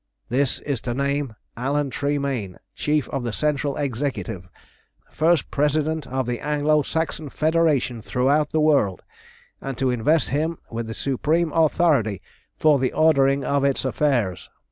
This is to name Alan Tremayne, Chief of the Central Executive, first President of the Anglo Saxon Federation throughout the world, and to invest him with the supreme authority for the ordering of its affairs.